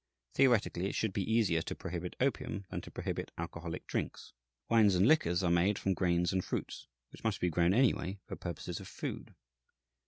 Theoretically, it should be easier to prohibit opium than to prohibit alcoholic drinks. Wines and liquors are made from grains and fruits which must be grown anyway, for purposes of food.